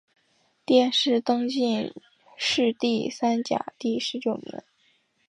殿试登进士第三甲第十九名。